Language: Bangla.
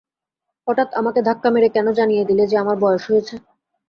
হঠাৎ আমাকে ধাক্কা মেরে কেন জানিয়ে দিলে যে আমার বয়স হয়েছে।